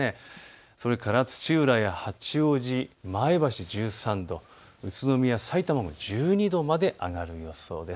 それから土浦や八王子、前橋１３度、宇都宮、さいたまも１２度まで上がる予想です。